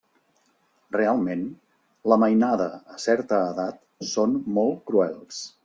Realment la mainada a certa edat són molt cruels.